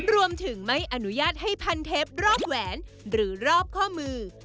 รวมถึงไม่อนุญาตให้พันเทปรอบแหวนหรือรอบข้อมือ